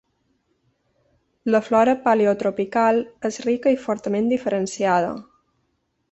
La flora paleotropical és rica i fortament diferenciada.